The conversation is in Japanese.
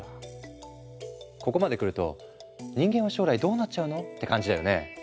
ここまでくると人間は将来どうなっちゃうの？って感じだよね？